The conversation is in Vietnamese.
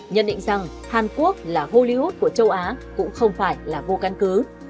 nhận định rằng hàn quốc là hollywood của châu á cũng không phải là vô căn cứ